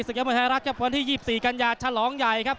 ศักยมธรรมแห่งรักครับวันที่๒๔กัญญาชลองใหญ่ครับ